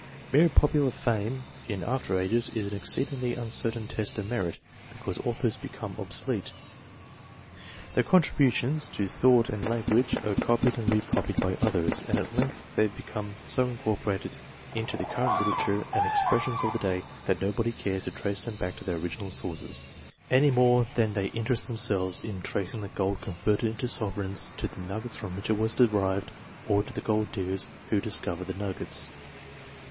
Mere popular fame in after ages is an exceedingly uncertain test of merit, because authors become obsolete. Their contributions to thought and language are copied and re copied by others, and at length they become so incorporated into the current literature and expressions of the day, that nobody cares to trace them back to their original sources, any more than they interest themselves in tracing the gold converted into sovereigns, to the nuggets from which it was derived or to the gold diggers who discovered the nuggets.